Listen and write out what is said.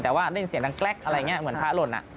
แต่ว่าเล่นเสียงดังแกรกอะไรอย่างนี้เหมือนพระหล่น